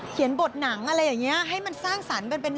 เขียนบทหนังอะไรอย่างนี้ให้มันสร้างสรรค์เป็นแบบ